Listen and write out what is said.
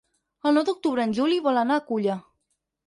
El nou d'octubre en Juli vol anar a Culla.